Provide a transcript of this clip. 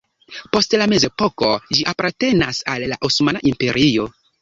Post la mezepoko ĝi apartenis al la Osmana Imperio.